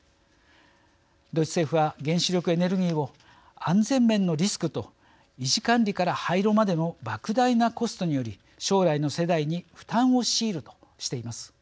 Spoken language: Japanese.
ドイツ政府は原子力エネルギーを安全面のリスクと維持管理から廃炉までのばく大なコストにより将来の世代に負担を強いるとしています。